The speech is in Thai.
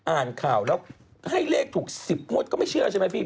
อ่านข่าวแล้วให้เลขถูก๑๐งวดก็ไม่เชื่อใช่ไหมพี่